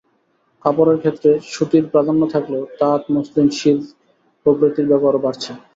কাপড়ের ক্ষেত্রে সুতির প্রাধান্য থাকলেও তাঁত, মসলিন, সিল্ক প্রভৃতির ব্যবহারও বাড়ছে।